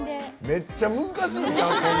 めっちゃ難しいんちゃう？